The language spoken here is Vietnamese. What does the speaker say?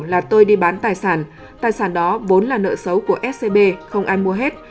là tôi đi bán tài sản tài sản đó vốn là nợ xấu của scb không ai mua hết